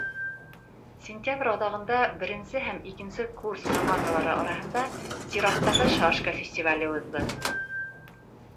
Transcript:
Сентябрь аҙағында беренсе һәм икенсе курс командалары араһында сираттағы шашка фестивале уҙҙы.